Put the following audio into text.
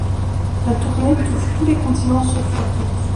La tournée touche tous les continents sauf l’Afrique.